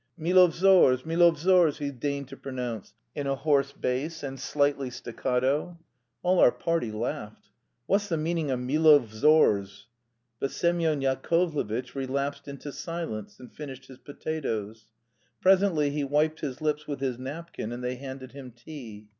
"Milovzors! Milovzors!" he deigned to pronounce, in a hoarse bass, and slightly staccato. All our party laughed: "What's the meaning of 'Milovzors'?" But Semyon Yakovlevitch relapsed into silence, and finished his potatoes. Presently he wiped his lips with his napkin, and they handed him tea.